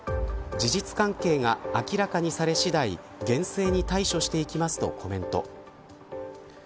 事実関係が明らかにされ次第厳正に対処していきますとコメント。